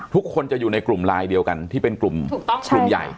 ทุกคนจะอยู่ในกลุ่มลายเดียวกันที่เป็นกลุ่มถูกต้องกลุ่มใหญ่